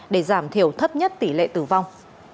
để giảm thiểu thấp nhất tỷ lệ tử vong